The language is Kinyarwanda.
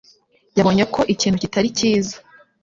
yabonye ko ikintu kitari cyiza.